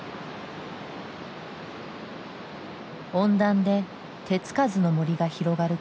温暖で手つかずの森が広がる